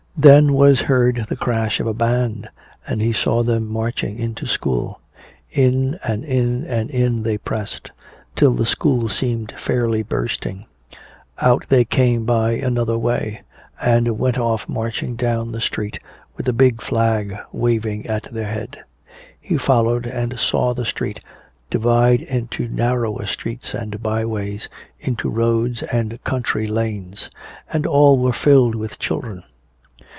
Then was heard the crash of a band, and he saw them marching into school. In and in and in they pressed, till the school seemed fairly bursting. Out they came by another way, and went off marching down the street with the big flag waving at their head. He followed and saw the street divide into narrower streets and bye ways, into roads and country lanes. And all were filled with children.